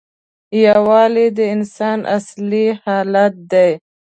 یووالی د انسان اصلي حالت دی.